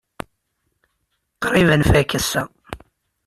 Qrib ad nfak ass-a.